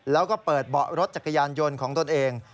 แล้วก็เปิดเบาะรถจักรยานยนต์ของตนเอง